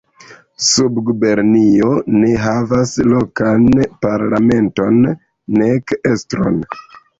Subgubernio ne havas lokan parlamenton nek estron.